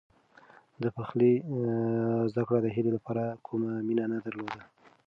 د پخلي زده کړه د هیلې لپاره کومه مینه نه درلوده.